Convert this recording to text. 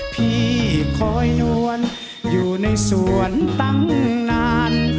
พี่คอยนวลอยู่ในสวนตั้งนาน